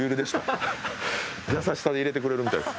優しさで入れてくれるみたいです。